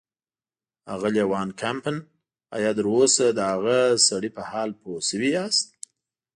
اغلې وان کمپن، ایا تراوسه د هغه سړي په حال پوه شوي یاست.